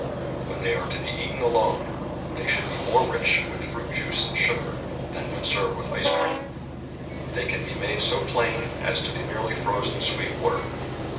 When they are to be eaten alone, they should be more rich with fruit juice and sugar than when served with ice cream. They can be made so plain as to be merely frozen sweet water.